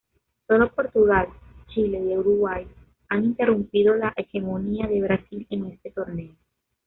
Sólo Portugal, Chile y Uruguay han interrumpido la hegemonía de Brasil en este torneo.